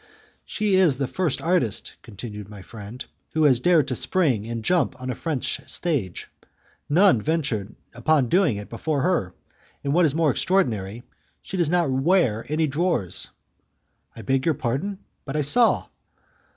"She is the first artist," continued my friend, "who has dared to spring and jump on a French stage. None ventured upon doing it before her, and, what is more extraordinary, she does not wear any drawers." "I beg your pardon, but I saw...."